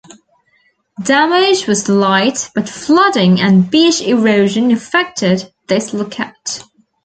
Damage was light but flooding and beach erosion affected this lookout.